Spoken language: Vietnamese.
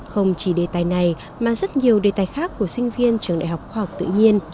không chỉ đề tài này mà rất nhiều đề tài khác của sinh viên trường đại học khoa học tự nhiên